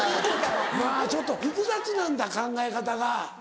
まぁちょっと複雑なんだ考え方が。